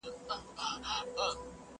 چي یې کټ ته دواړي پښې کړلې ور وړاندي،